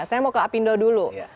saya mau ke apindo dulu